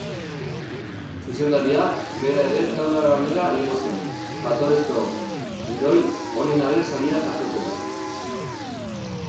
Zuzendaria bera ere taula gainera igo zen, jatorrizko gidoi onenaren saria jasotzera.